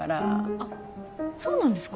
あっそうなんですか？